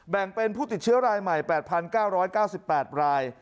แบ่งเป็นผู้ติดเชื้อรายใหม่๘๙๙๘ราย